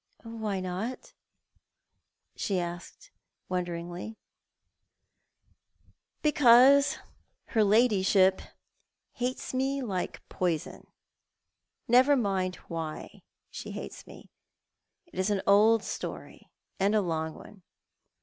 " Why not? " she asked, wonderingly. "Because her ladyship hates me like poison. Never mind why she hates me. It is an old story, and a long one.